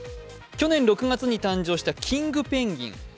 去年６月に誕生したキングペンギン